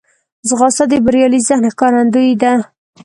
ځغاسته د بریالي ذهن ښکارندوی ده